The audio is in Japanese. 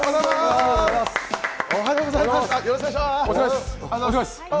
おはようございます。